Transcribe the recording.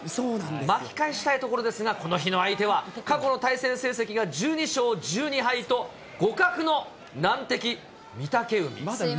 巻き返したいところですが、この日の相手は、過去の対戦成績が１２勝１２敗と互角の難敵、御嶽海。